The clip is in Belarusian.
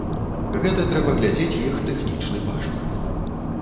Гэта трэба глядзець іх тэхнічны пашпарт.